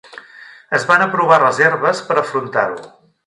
Es van aprovar reserves per afrontar-ho.